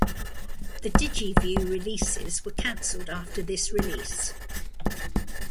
The Digiview releases were canceled after this release.